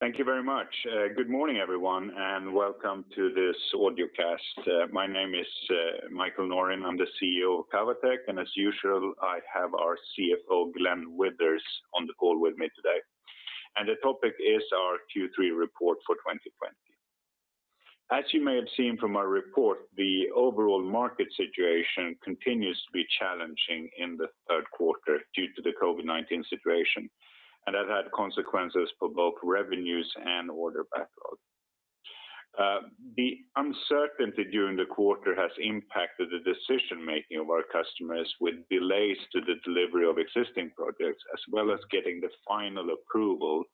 Thank you very much. Good morning, everyone, and welcome to this audio cast. My name is Mikael Norin; I'm the CEO of Cavotec. As usual, I have our CFO, Glenn Withers, on the call with me today. The topic is our Q3 report for 2020. As you may have seen from our report, the overall market situation continues to be challenging in the Q3 due to the COVID-19 situation and has had consequences for both revenues and order backlog. The uncertainty during the quarter has impacted the decision-making of our customers, with delays to the delivery of existing projects, as well as getting the final approval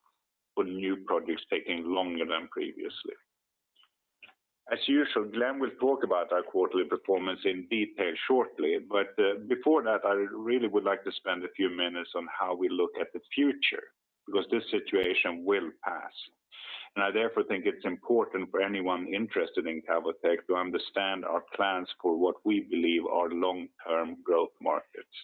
for new projects taking longer than previously. As usual, Glenn will talk about our quarterly performance in detail shortly, but before that, I really would like to spend a few minutes on how we look at the future, because this situation will pass. I therefore think it's important for anyone interested in Cavotec to understand our plans for what we believe are long-term growth markets.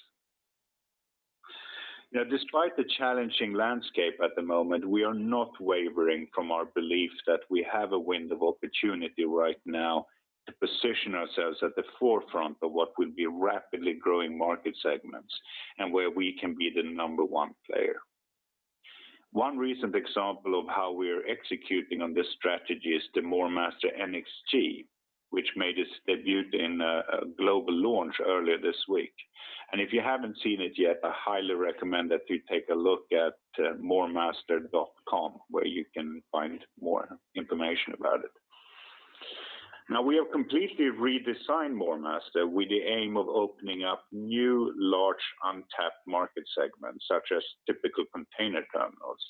Despite the challenging landscape at the moment, we are not wavering from our belief that we have a wind of opportunity right now to position ourselves at the forefront of what will be rapidly growing market segments, and where we can be the number one player. One recent example of how we're executing on this strategy is the MoorMaster NxG, which made its debut in a global launch earlier this week. If you haven't seen it yet, I highly recommend that you take a look at moormaster.com, where you can find more information about it. We have completely redesigned MoorMaster with the aim of opening up new, large, untapped market segments, such as typical container terminals.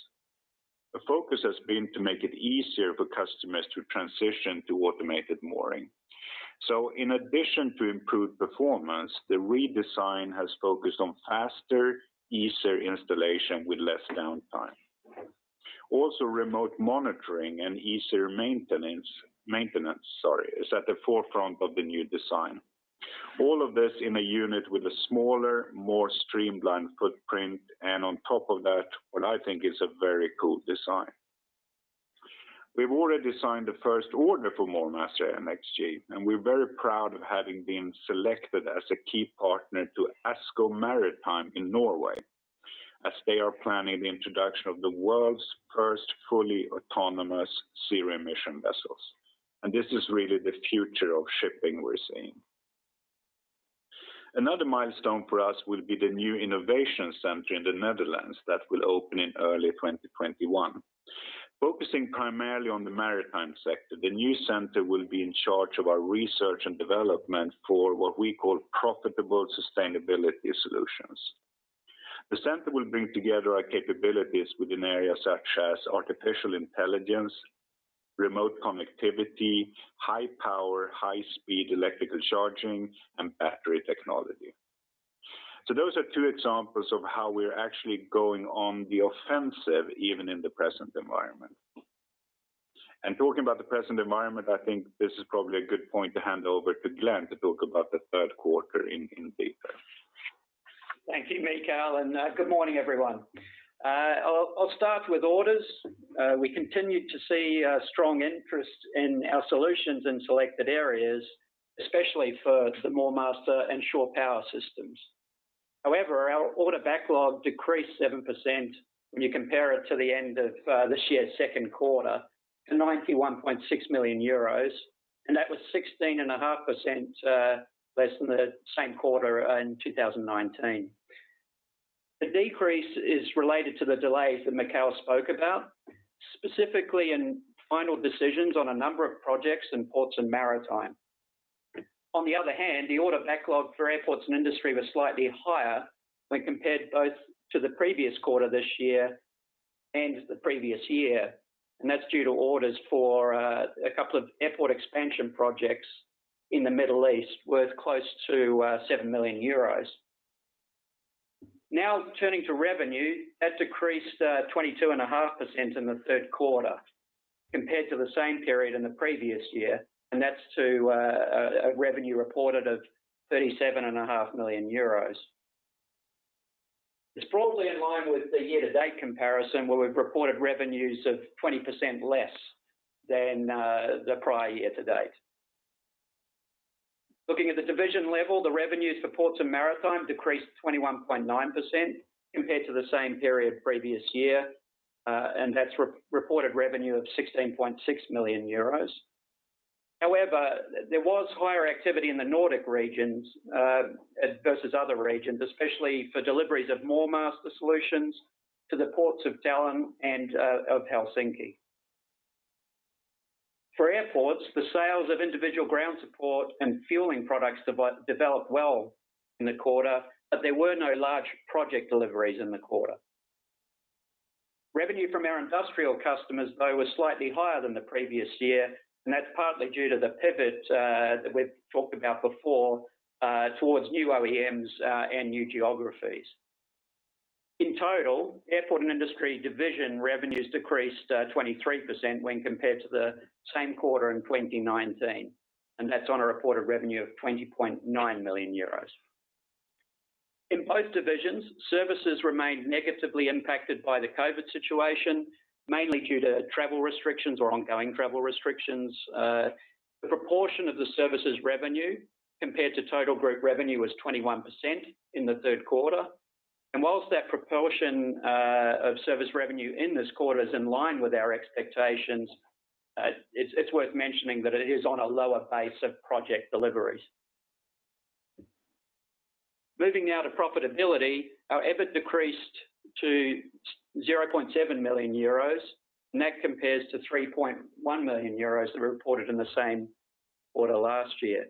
The focus has been to make it easier for customers to transition to automated mooring. In addition to improved performance, the redesign has focused on faster, easier installation with less downtime. Also remote monitoring and easier maintenance is at the forefront of the new design. All of this in a unit with a smaller, more streamlined footprint, and on top of that, what I think is a very cool design. We've already signed the first order for MoorMaster NxG, we're very proud of having been selected as a key partner to ASKO Maritime in Norway, as they are planning the introduction of the world's first fully autonomous zero emission vessels. Another milestone for us will be the new innovation center in the Netherlands that will open in early 2021. Focusing primarily on the maritime sector, the new center will be in charge of our research and development for what we call profitable sustainability solutions. The center will bring together our capabilities within areas such as artificial intelligence, remote connectivity, high power, high speed electrical charging, and battery technology. Those are two examples of how we're actually going on the offensive, even in the present environment. Talking about the present environment, I think this is probably a good point to hand over to Glenn to talk about the Q3 in detail. Thank you, Mikael, and good morning, everyone. I'll start with orders. We continue to see strong interest in our solutions in selected areas, especially for the MoorMaster and Shore Power systems. Our order backlog decreased 7% when you compare it to the end of this year's Q2 to 91.6 million euros, and that was 16.5% less than the same quarter in 2019. The decrease is related to the delays that Mikael spoke about, specifically in final decisions on a number of projects in Ports & Maritime. The order backlog for Airports & Industry was slightly higher when compared both to the previous quarter this year and the previous year, and that's due to orders for a couple of airport expansion projects in the Middle East worth close to 7 million euros. Turning to revenue, that decreased 22.5% in the Q3 compared to the same period in the previous year. That's to a revenue reported of 37.5 million euros. It's broadly in line with the year-to-date comparison, where we've reported revenues of 20% less than the prior year to date. Looking at the division level, the revenues for Ports & Maritime decreased 21.9% compared to the same period previous year, that's reported revenue of 16.6 million euros. However, there was higher activity in the Nordic regions versus other regions, especially for deliveries of MoorMaster solutions to the ports of Tallinn and of Helsinki. For airports, the sales of individual ground support and fueling products developed well in the quarter, there were no large project deliveries in the quarter. Revenue from our industrial customers, though, was slightly higher than the previous year, and that's partly due to the pivot that we've talked about before, towards new OEMs and new geographies. In total, Airports & Industry division revenues decreased 23% when compared to the same quarter in 2019, and that's on a reported revenue of 20.9 million euros. In both divisions, services remained negatively impacted by the COVID situation, mainly due to travel restrictions or ongoing travel restrictions. The proportion of the services revenue compared to total group revenue was 21% in the Q3. Whilst that proportion of service revenue in this quarter is in line with our expectations, it's worth mentioning that it is on a lower base of project deliveries. Moving now to profitability, our EBIT decreased to 0.7 million euros, and that compares to 3.1 million euros that were reported in the same quarter last year.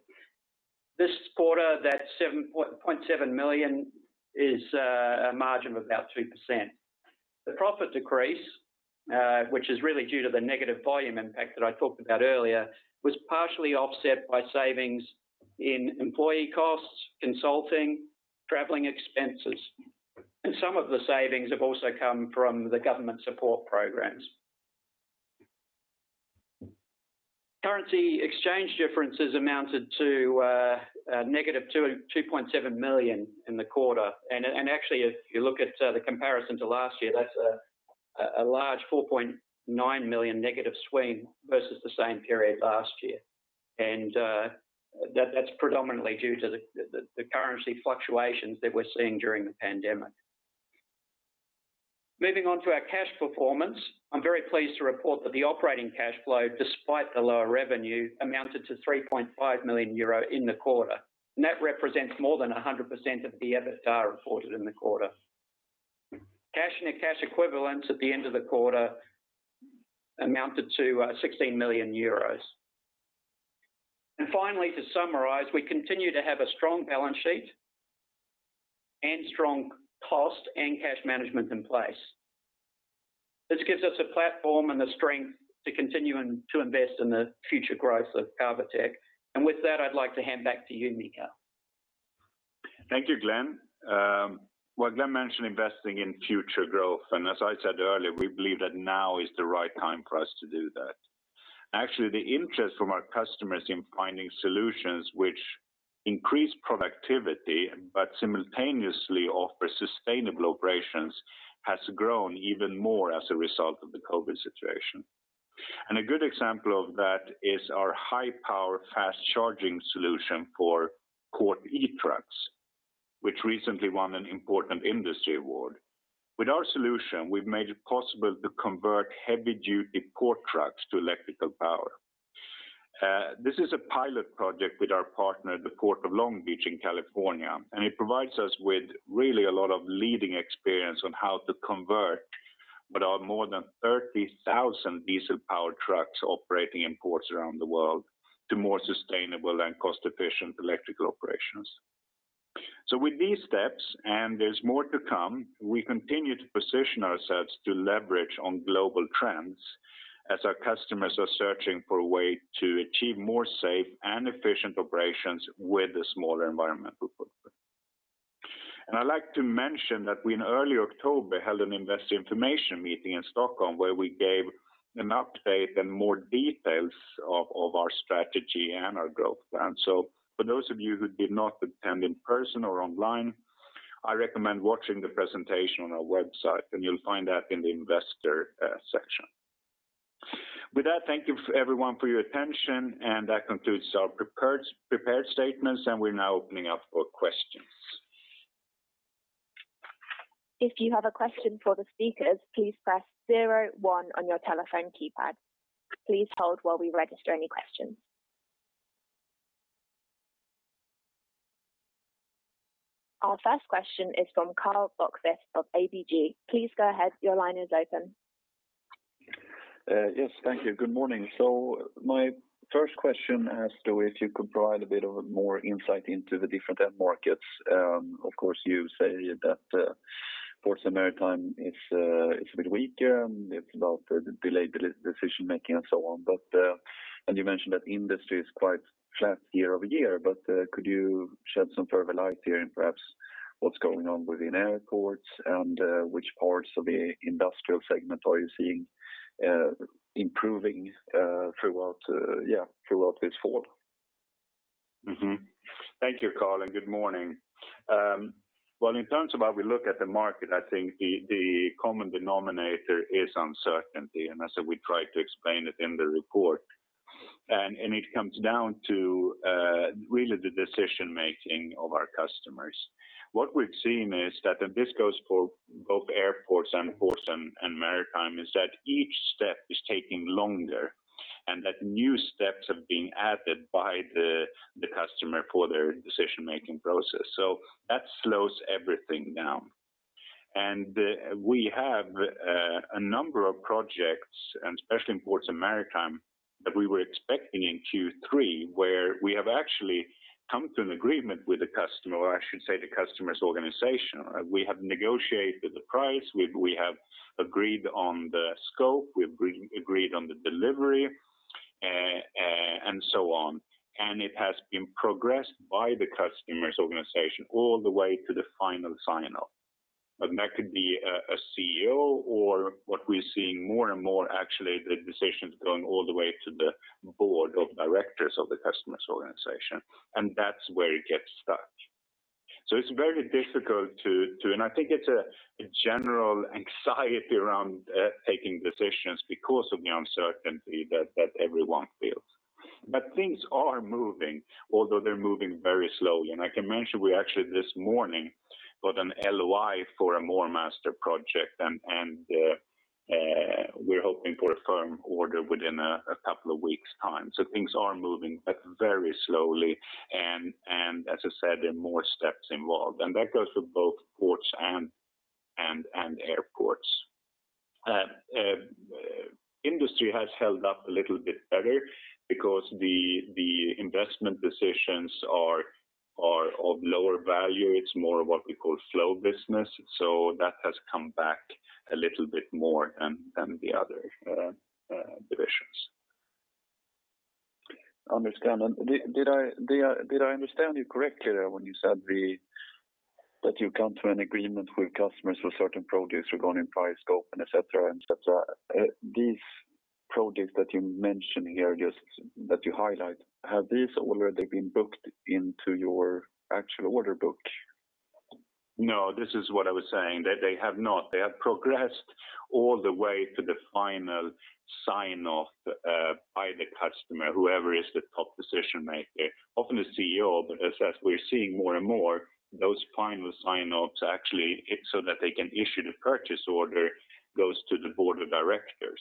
This quarter, that 0.7 million is a margin of about 3%. The profit decrease, which is really due to the negative volume impact that I talked about earlier, was partially offset by savings in employee costs, consulting, traveling expenses. Some of the savings have also come from the government support programs. Currency exchange differences amounted to a negative 2.7 million in the quarter. Actually, if you look at the comparison to last year, that's a large 4.9 million negative swing versus the same period last year. That's predominantly due to the currency fluctuations that we're seeing during the pandemic. Moving on to our cash performance, I'm very pleased to report that the operating cash flow, despite the lower revenue, amounted to 3.5 million euro in the quarter. That represents more than 100% of the EBITDA reported in the quarter. Cash and cash equivalents at the end of the quarter amounted to €16 million. Finally, to summarize, we continue to have a strong balance sheet and strong cost and cash management in place. This gives us a platform and the strength to continue to invest in the future growth of Cavotec. With that, I'd like to hand back to you, Mika. Thank you, Glenn. Well, Glenn mentioned investing in future growth, and as I said earlier, we believe that now is the right time for us to do that. Actually, the interest from our customers in finding solutions which increase productivity but simultaneously offer sustainable operations has grown even more as a result of the COVID situation. A good example of that is our high-power fast charging solution for port e-trucks, which recently won an important industry award. With our solution, we've made it possible to convert heavy-duty port trucks to electrical power. This is a pilot project with our partner at the Port of Long Beach in California, and it provides us with really a lot of leading experience on how to convert about more than 30,000 diesel-powered trucks operating in ports around the world to more sustainable and cost-efficient electrical operations. With these steps, and there's more to come, we continue to position ourselves to leverage on global trends as our customers are searching for a way to achieve more safe and efficient operations with a smaller environmental footprint. I'd like to mention that we, in early October, held an investor information meeting in Stockholm where we gave an update and more details of our strategy and our growth plan. For those of you who did not attend in person or online, I recommend watching the presentation on our website, and you'll find that in the investor section. With that, thank you everyone for your attention, and that concludes our prepared statements, and we're now opening up for questions. If you have a question for the speakers, please press zero one on your telephone keypad. Please hold while we register any questions. Our first question is from Karl Bokvist of ABG. Please go ahead. Your line is open. Yes. Thank you. Good morning. My first question as to if you could provide a bit of more insight into the different end markets. Of course, you say that Ports & Maritime is a bit weaker, and it's about the delayed decision making and so on. You mentioned that industry is quite flat year-over-year, but could you shed some further light there and perhaps what's going on within Airports & Industry and which parts of the industrial segment are you seeing improving throughout this quarter? Thank you, Karl, good morning. Well, in terms of how we look at the market, I think the common denominator is uncertainty, and as we tried to explain it in the report. It comes down to really the decision making of our customers. What we've seen is that, and this goes for both Airports & Industry and Ports & Maritime, is that each step is taking longer and that new steps are being added by the customer for their decision-making process. That slows everything down. We have a number of projects, and especially in Ports & Maritime, that we were expecting in Q3, where we have actually come to an agreement with the customer, or I should say the customer's organization. We have negotiated the price, we have agreed on the scope, we have agreed on the delivery, and so on. It has been progressed by the customer's organization all the way to the final sign-off. That could be a CEO or what we are seeing more and more actually, the decisions going all the way to the board of directors of the customer's organization. That's where it gets stuck. It's very difficult. I think it's a general anxiety around taking decisions because of the uncertainty that everyone feels. Things are moving, although they are moving very slowly. I can mention, we actually this morning, got an LOI for a MoorMaster project. We are hoping for a firm order within a couple of weeks' time. Things are moving, but very slowly. As I said, there are more steps involved. That goes for both ports and airports. Industry has held up a little bit better because the investment decisions are of lower value. It's more of what we call flow business. That has come back a little bit more than the other divisions. Understand. Did I understand you correctly there when you said that you come to an agreement with customers for certain projects regarding price, scope, and et cetera? These projects that you mentioned here, just that you highlight, have these already been booked into your actual order book? No, this is what I was saying, that they have not. They have progressed all the way to the final sign-off by the customer, whoever is the top decision-maker. Often the CEO, but as we are seeing more and more, those final sign-offs, actually, so that they can issue the purchase order, goes to the board of directors.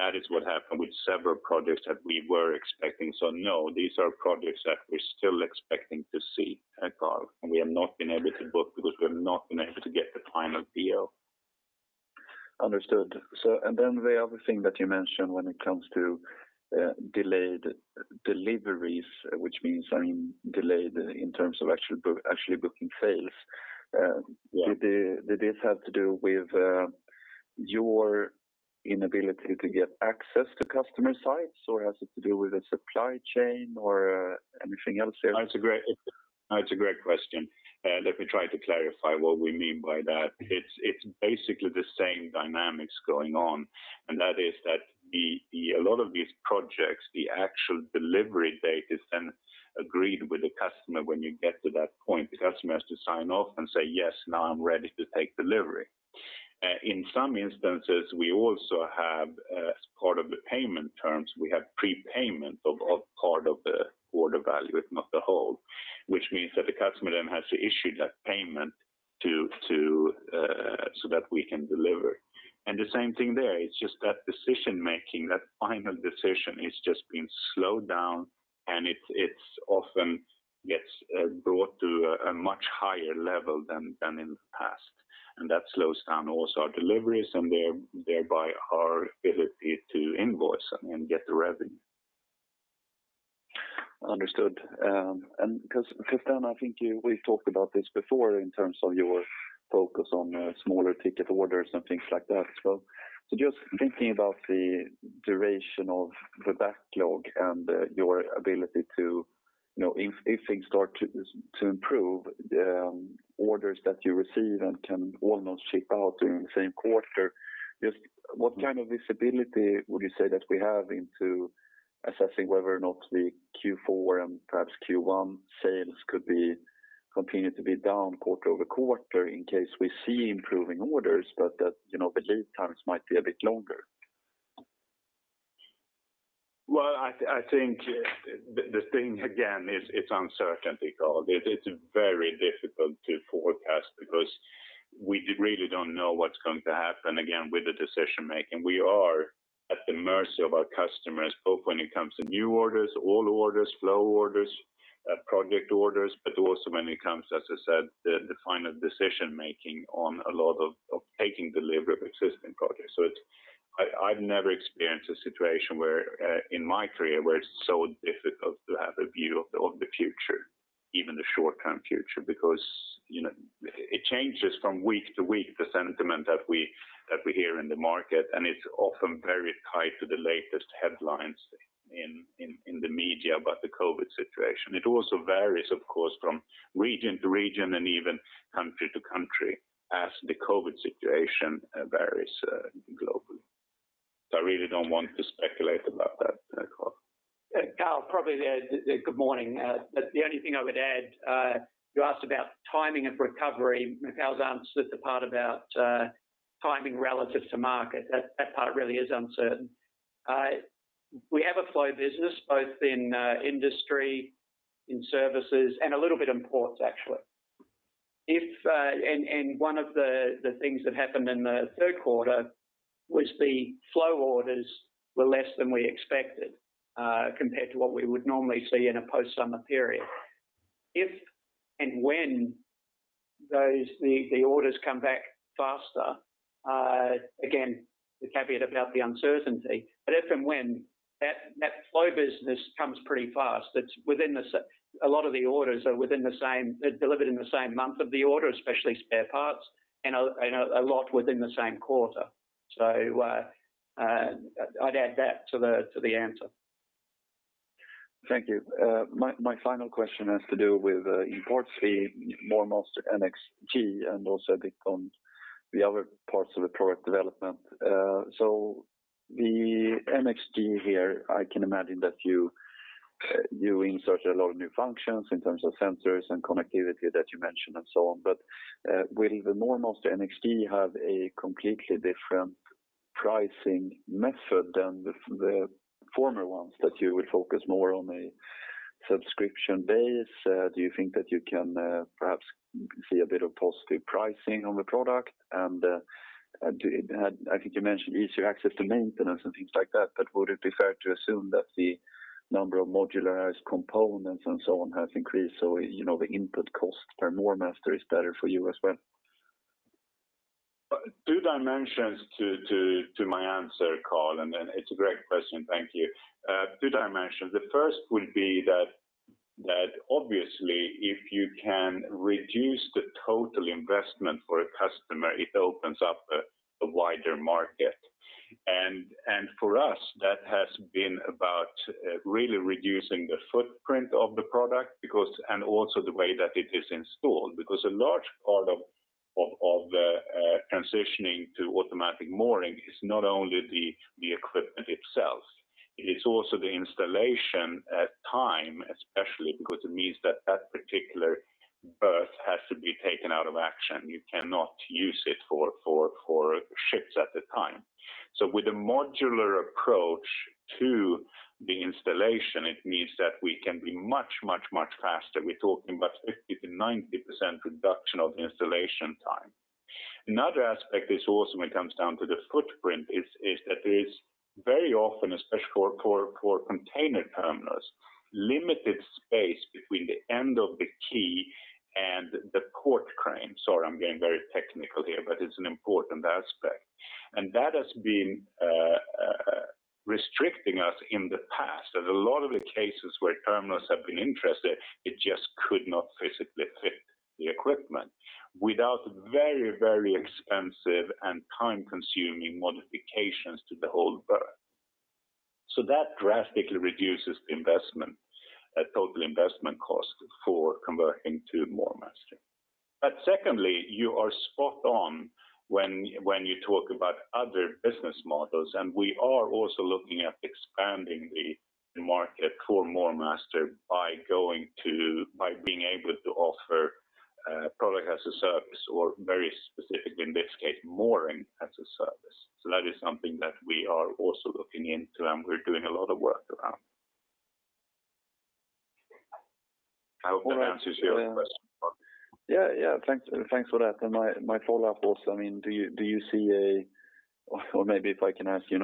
That is what happened with several projects that we were expecting. No, these are projects that we're still expecting to see, Karl. We have not been able to book because we've not been able to get the final PO. Understood. The other thing that you mentioned when it comes to delayed deliveries, which means delayed in terms of actually booking sales. Yeah. Did this have to do with your inability to get access to customer sites, or has it to do with the supply chain or anything else there? No, it's a great question. Let me try to clarify what we mean by that. It's basically the same dynamics going on, and that is that a lot of these projects, the actual delivery date is then agreed with the customer when you get to that point. The customer has to sign off and say, "Yes, now I'm ready to take delivery." In some instances, we also have, as part of the payment terms, we have prepayment of part of the order value, if not the whole, which means that the customer then has to issue that payment so that we can deliver. The same thing there, it's just that decision-making, that final decision is just being slowed down, and it often gets brought to a much higher level than in the past. That slows down also our deliveries and thereby our ability to invoice and get the revenue. Understood. Because, Christian, I think we've talked about this before in terms of your focus on smaller ticket orders and things like that as well. Just thinking about the duration of the backlog and your ability to know if things start to improve, the orders that you receive and can almost ship out during the same quarter. Just what kind of visibility would you say that we have into assessing whether or not the Q4 and perhaps Q1 sales could continue to be down quarter-over-quarter in case we see improving orders, but that the lead times might be a bit longer? I think the thing again is its uncertainty, Karl. It's very difficult to forecast because we really don't know what's going to happen, again, with the decision-making. We are at the mercy of our customers, both when it comes to new orders, old orders, flow orders, project orders, but also when it comes, as I said, the final decision-making on a lot of taking delivery of existing projects. I've never experienced a situation in my career where it's so difficult to have a view of the future, even the short-term future, because it changes from week to week, the sentiment that we hear in the market, and it's often very tied to the latest headlines in the media about the COVID situation. It also varies, of course, from region to region and even country to country as the COVID situation varies globally. I really don't want to speculate about that, Karl. Karl, probably there. Good morning. The only thing I would add, you asked about timing of recovery. Mikael's answered the part about timing relative to market. That part really is uncertain. We have a flow business both in industry, in services, and a little bit in ports, actually. One of the things that happened in the Q3 was the flow orders were less than we expected compared to what we would normally see in a post-summer period. If and when the orders come back faster, again, the caveat about the uncertainty, but if and when, that flow business comes pretty fast. A lot of the orders are delivered in the same month of the order, especially spare parts, and a lot within the same quarter. I'd add that to the answer. Thank you. My final question has to do with MoorMaster NxG and also a bit on the other parts of the product development. The NxG here, I can imagine that you insert a lot of new functions in terms of sensors and connectivity that you mentioned and so on. Will the MoorMaster NxG have a completely different pricing method than the former ones, that you would focus more on a subscription base? Do you think that you can perhaps see a bit of positive pricing on the product? I think you mentioned easier access to maintenance and things like that, but would it be fair to assume that the number of modularized components and so on has increased, so the input cost per MoorMaster is better for you as well? Two dimensions to my answer, Karl. It's a great question, thank you. Two dimensions. The first would be that obviously if you can reduce the total investment for a customer, it opens up a wider market. For us, that has been about really reducing the footprint of the product and also the way that it is installed, because a large part of the transitioning to automatic mooring is not only the equipment itself, it's also the installation at time, especially because it means that that particular berth has to be taken out of action. You cannot use it for ships at the time. With a modular approach to the installation, it means that we can be much faster. We're talking about 50%-90% reduction of the installation time. Another aspect is also when it comes down to the footprint is that there is very often, especially for container terminals, limited space between the end of the key and the port crane. Sorry, I am getting very technical here, but it is an important aspect. That has been restricting us in the past. There is a lot of the cases where terminals have been interested, it just could not physically fit the equipment without very expensive and time-consuming modifications to the whole berth. That drastically reduces the total investment cost for converting to MoorMaster. Secondly, you are spot on when you talk about other business models, and we are also looking at expanding the market for MoorMaster by being able to offer product-as-a-service or very specific, in this case, mooring-as-a-service. That is something that we are also looking into and we are doing a lot of work around. I hope that answers your question. Yeah. Thanks for that. My follow-up was, do you see or maybe if I can ask, in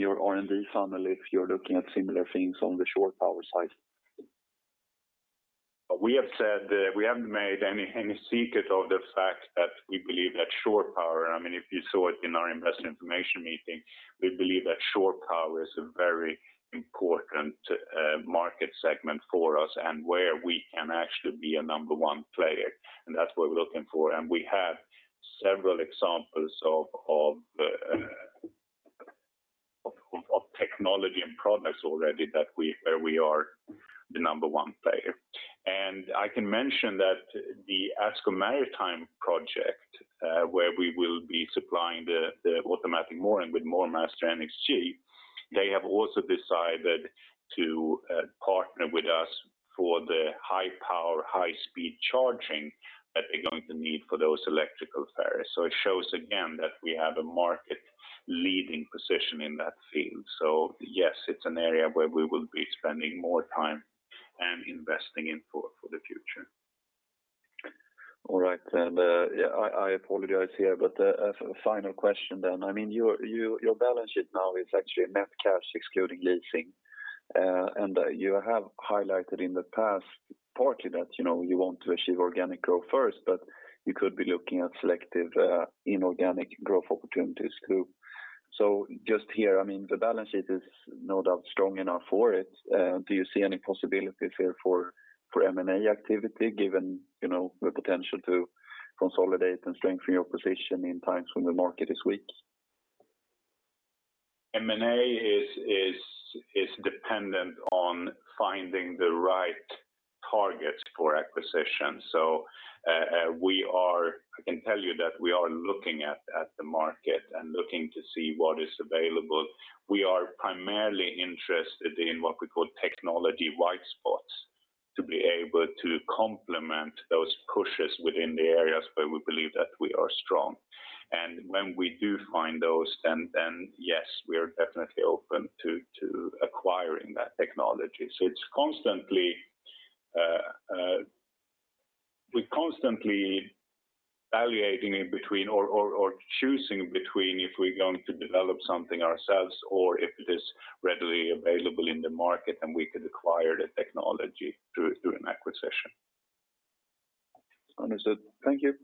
your R&D funnel, if you're looking at similar things on the Shore Power side? We haven't made any secret of the fact that we believe that Shore Power, if you saw it in our investor information meeting, we believe that Shore Power is a very important market segment for us and where we can actually be a number one player. That's what we're looking for. We have several examples of technology and products already where we are the number one player. I can mention that the ASKO Maritime project, where we will be supplying the automatic mooring with MoorMaster NxG, they have also decided to partner with us for the high power, high-speed charging that they're going to need for those electrical ferries. It shows again that we have a market-leading position in that field. Yes, it's an area where we will be spending more time and investing in for the future. All right. I apologize here, but a final question then. Your balance sheet now is actually net cash excluding leasing. You have highlighted in the past partly that you want to achieve organic growth first, but you could be looking at selective inorganic growth opportunities too. Just here, the balance sheet is no doubt strong enough for it. Do you see any possibilities here for M&A activity given the potential to consolidate and strengthen your position in times when the market is weak? M&A is dependent on finding the right targets for acquisition. I can tell you that we are looking at the market and looking to see what is available. We are primarily interested in what we call technology white spots, to be able to complement those pushes within the areas where we believe that we are strong. When we do find those, yes, we are definitely open to acquiring that technology. We're constantly evaluating in between or choosing between if we're going to develop something ourselves or if it is readily available in the market and we could acquire the technology through an acquisition. Understood. Thank you.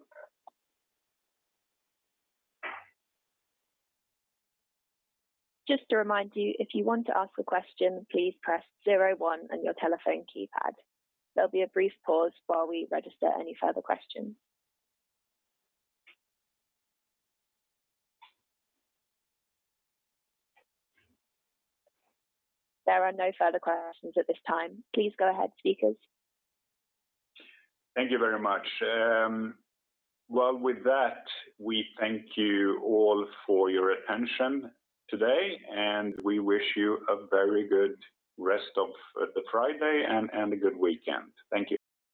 Just to remind you, if you want to ask a question, please press zero one on your telephone keypad. There'll be a brief pause while we register any further questions. There are no further questions at this time. Please go ahead, speakers. Thank you very much. Well, with that, we thank you all for your attention today, and we wish you a very good rest of the Friday and a good weekend. Thank you.